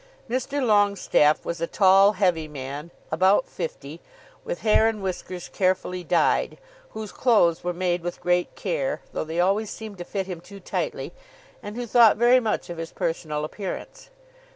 Mr. Longestaffe was a tall, heavy man, about fifty, with hair and whiskers carefully dyed, whose clothes were made with great care, though they always seemed to fit him too tightly, and who thought very much of his personal appearance.